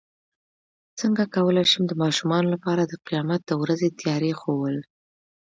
څنګه کولی شم د ماشومانو لپاره د قیامت د ورځې تیاري ښوول